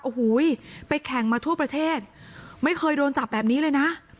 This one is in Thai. โอ้โหไปแข่งมาทั่วประเทศไม่เคยโดนจับแบบนี้เลยนะ